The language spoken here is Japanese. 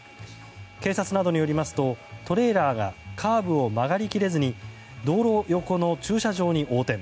警察などによりますとトレーラーがカーブを曲がり切れずに道路横の駐車場に横転。